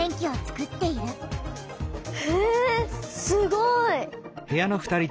へえすごい！